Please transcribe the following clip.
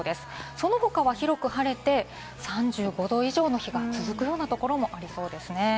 その他は広く晴れて、３５度以上の日が続くようなところもありそうなんですね。